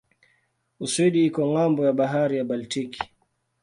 Uswidi iko ng'ambo ya bahari ya Baltiki.